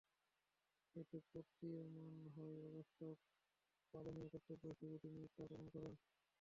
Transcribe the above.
এতে প্রতীয়মান হয়, অবশ্য পালনীয় কর্তব্য হিসেবেই তিনি তা পালন করেন।